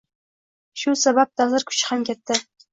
Shu sabab ta’sir kuchi ham katta.